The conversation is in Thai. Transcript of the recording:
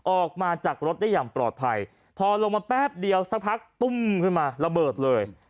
ออกมาจากรถได้อย่างปลอดภัยพอลงมาแป๊บเดียวสักพักตุ้มขึ้นมาระเบิดเลย